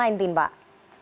tadi saya mencari penyelidikan